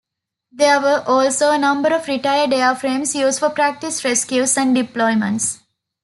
There were also a number of retired airframes used for practice rescues and deployments.